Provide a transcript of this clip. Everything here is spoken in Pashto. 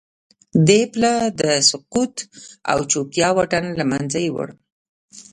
دې پله د سکوت او چوپتیا واټن له منځه یووړ